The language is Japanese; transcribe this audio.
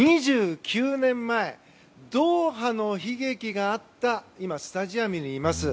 ２９年前ドーハの悲劇があったスタジアムにいます。